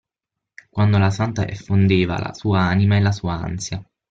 Quando la santa effondeva la sua anima e la sua ansia.